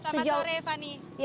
selamat sore fani